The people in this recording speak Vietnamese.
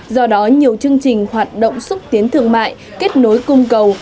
do đó nhiều chương trình hoạt động xúc tiến thương mại kết nối cung cầu